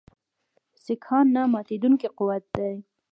سیکهان نه ماتېدونکی قوت دی.